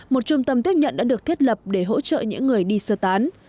một trung tâm tiếp nhận đã được thiết lập để hỗ trợ những người đi sơ tán